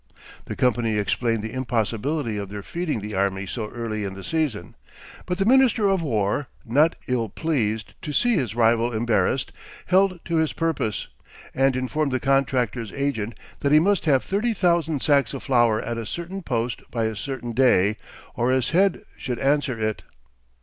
The company explained the impossibility of their feeding the army so early in the season; but the minister of war, not ill pleased to see his rival embarrassed, held to his purpose, and informed the contractors' agent that he must have thirty thousand sacks of flour at a certain post by a certain day, or his head should answer it.